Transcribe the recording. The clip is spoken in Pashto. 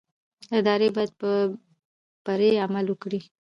ادارې باید بې پرې عمل وکړي